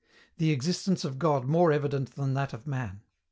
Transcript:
THE EXISTENCE OF GOD MORE EVIDENT THAN THAT OF MAN.